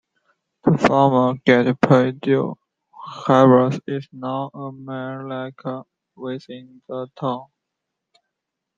The former "Great Pityus" harbour is now a mere lake within the town.